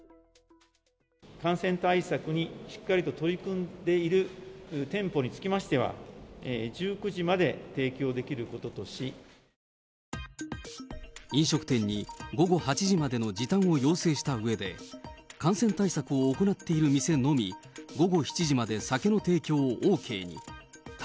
感染対策にしっかりと取り組んでいる店舗につきましては、飲食店に、午後８時までの時短を要請したうえで、感染対策を行っている店のみ午後７時まで酒の提供をＯＫに。